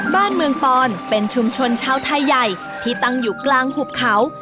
บ้านเมืองปอนเป็นชุมชนชาวไทยใหญ่ที่ตั้งอยู่กลางหุบเขา